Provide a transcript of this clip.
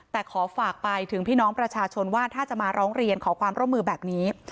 แต่ขอฝากไปถึงพี่น้องประชาชนว่าถ้าจะมาร้องเรียนขอความร่วมมือแบบนี้